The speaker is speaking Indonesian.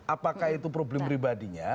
apakah itu problem pribadinya